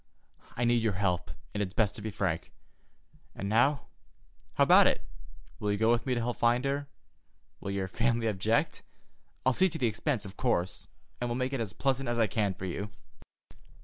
I need your help, and it's best to be frank. And now, how about it? Will you go with me to help find her? Will your family object? I'll see to the expense, of course, and will make it as pleasant as I can for you."